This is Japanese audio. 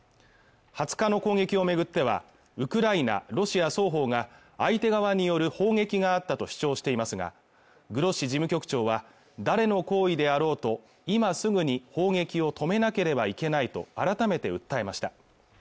２０日の攻撃をめぐってはウクライナ、ロシア双方が相手側による砲撃があったと主張していますがグロッシ事務局長は誰の行為であろうと今すぐに砲撃を止めなければいけないと改めて訴えました